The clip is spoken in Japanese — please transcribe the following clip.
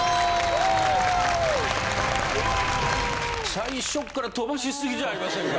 最初から飛ばし過ぎじゃありませんか。